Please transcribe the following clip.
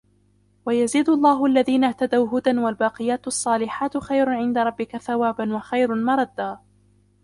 وَيَزِيدُ اللَّهُ الَّذِينَ اهْتَدَوْا هُدًى وَالْبَاقِيَاتُ الصَّالِحَاتُ خَيْرٌ عِنْدَ رَبِّكَ ثَوَابًا وَخَيْرٌ مَرَدًّا